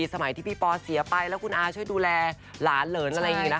สมัยที่พี่ปอเสียไปแล้วคุณอาช่วยดูแลหลานเหลินอะไรอย่างนี้นะคะ